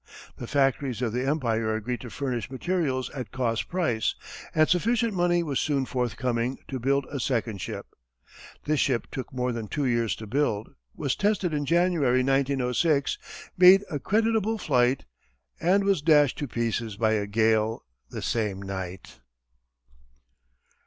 The factories of the empire agreed to furnish materials at cost price, and sufficient money was soon forthcoming to build a second ship. This ship took more than two years to build, was tested in January, 1906, made a creditable flight, and was dashed to pieces by a gale the same night!